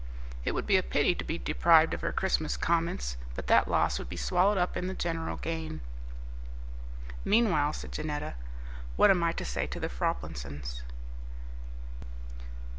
It would be a pity to be deprived of her Christmas comments, but that loss would be swallowed up in the general gain." "Meanwhile," said Janetta, "what am I to say to the Froplinsons?"